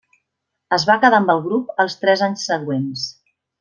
Es va quedar amb el grup els tres anys següents.